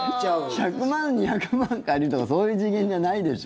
１００万、２００万借りるとかそういう次元じゃないでしょ。